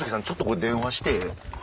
ちょっと電話して！